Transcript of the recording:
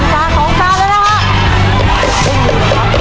๑จาน๒จานแล้วนะฮะ